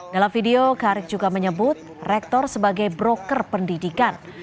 dalam video karik juga menyebut rektor sebagai broker pendidikan